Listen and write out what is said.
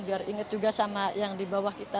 biar inget juga sama yang di bawah kita